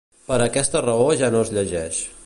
Per aquesta raó ja no es llegeix.